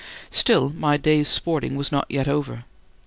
Still my day's sport was not yet over.